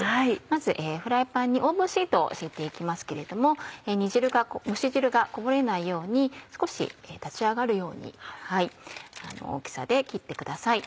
まずフライパンにオーブンシートを敷いて行きますけれども蒸し汁がこぼれないように少し立ち上がるように大きさで切ってください。